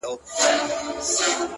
• خو احمق سلطان جامې نه وې ليدلي,